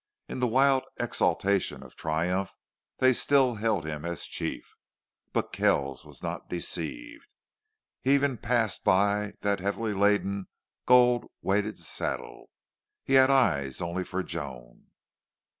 In the wild exultation of triumph they still held him as chief. But Kells was not deceived. He even passed by that heavily laden, gold weighted saddle. He had eyes only for Joan.